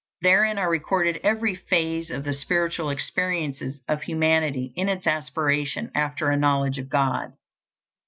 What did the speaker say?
Therein are recorded every phase of the spiritual experiences of humanity in its aspiration after a knowledge of God.